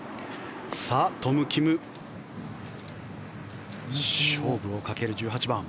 トム・キム勝負をかける１８番。